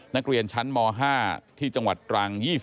นักเรียนชั้นม๕ที่จังหวัดตรัง